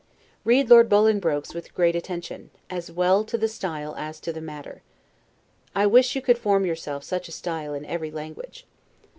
Read Lord Bolingbroke's with great attention, as well to the style as to the matter. I wish you could form yourself such a style in every language.